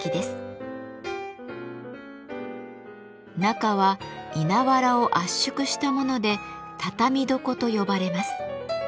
中は稲わらを圧縮したもので「畳床」と呼ばれます。